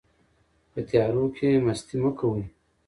په تیارو کې مستي مه کوئ.